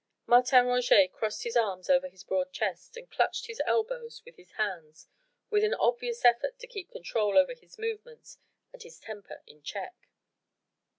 Martin Roget crossed his arms over his broad chest and clutched his elbows with his hands with an obvious effort to keep control over his movements and his temper in check.